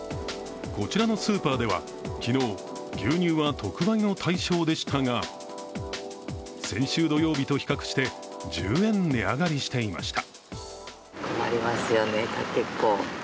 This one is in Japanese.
こちらのスーパーでは昨日牛乳は特売の対象でしたが先週土曜日と比較して１０円値上がりしていました。